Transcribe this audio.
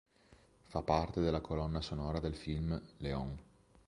Fa parte della colonna sonora del film "Léon".